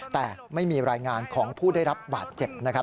แต่ไม่มีรายงานของผู้ได้รับบาดเจ็บนะครับ